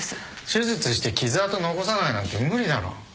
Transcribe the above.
手術して傷痕残さないなんて無理だろ。